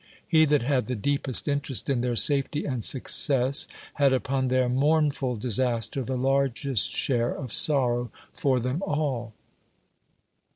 lie that had the deepest interest in their safety and success had upon their mourn ful disaster the largest share of sorrow for them all.